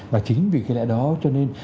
và chính vì cái lẽ đó cho nên